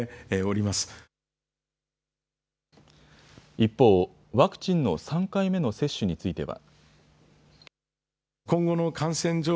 一方、ワクチンの３回目の接種については。